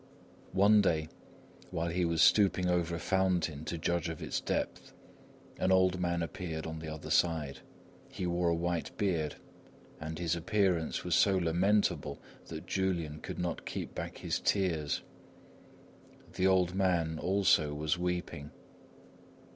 One day, while he was stooping over a fountain to judge of its depth, an old man appeared on the other side. He wore a white beard and his appearance was so lamentable that Julian could not keep back his tears. The old man also was weeping.